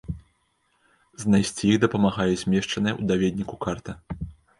Знайсці іх дапамагае змешчаная ў даведніку карта.